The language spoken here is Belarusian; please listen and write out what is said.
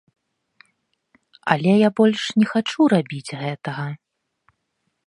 Але я больш не хачу рабіць гэтага.